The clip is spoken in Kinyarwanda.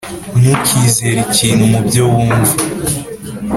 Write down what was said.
ntukizere ikintu mubyo wumva,